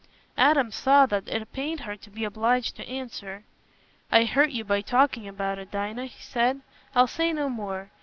Adam saw that it pained her to be obliged to answer. "I hurt you by talking about it, Dinah," he said. "I'll say no more.